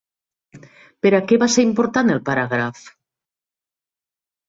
Per a què va ser important el paràgraf?